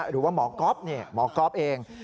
หรือว่าหมอก๊อฟหมอก๊อฟเอง